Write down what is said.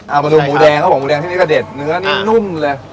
เอามาดูหมูแดงครับผมหมูแดงที่นี่ก็เด็ดเนื้อนี่นุ่มเลย